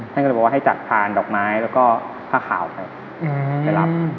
ท่านก็เลยบอกว่าให้จัดพานดอกไม้แล้วก็ผ้าขาวไปไปรับ